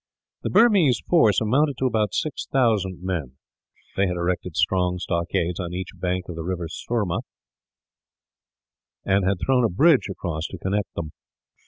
The Burmese force amounted to about six thousand men. They had erected strong stockades on each bank of the river Surma, and had thrown a bridge across to connect them.